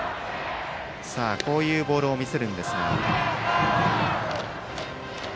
こういうボールを見せるんですが。